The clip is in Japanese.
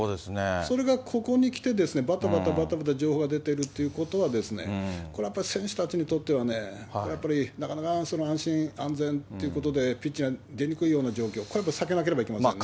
それがここに来て、ばたばたばたばた情報が出てるということは、これはやっぱり選手たちにとってはやっぱりなかなか安心・安全ということで、ピッチに出にくいような状況、これはやっぱり避けなければなりませんね。